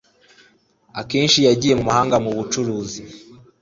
Akenshi yagiye mu mahanga mu bucuruzi